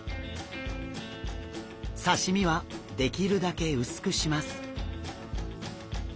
刺身はできるだけ薄くします。